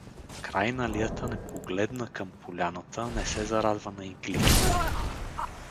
Крайналията не погледна към поляната, не се зарадва на игликите.